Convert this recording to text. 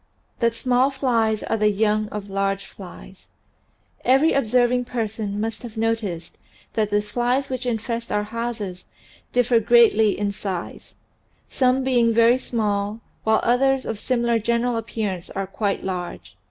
J THAT SMALL FLIES ARE THE YOUNG OF LARGE FLIES VERY observing person must have noticed that the flies which infest our houses differ greatly in size, some being very small while others of simi lar general appearance are quite large.